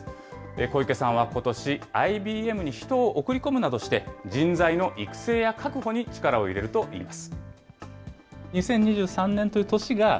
小池さんはことし、ＩＢＭに人を送り込むなどして、人材の育成や確保に力を入れるといいます。